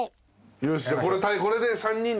よし。